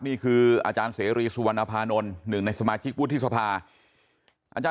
นี่คืออาจารย์เสรีสุวรรณภานนท์หนึ่งในสมาชิกวุฒิสภา